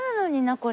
これ。